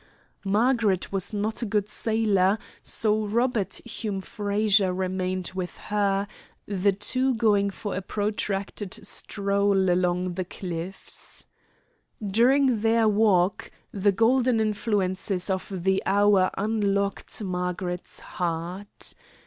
Margaret was not a good sailor, so Robert Hume Frazer remained with her, the two going for a protracted stroll along the cliffs. During their walk, the golden influences of the hour unlocked Margaret's heart.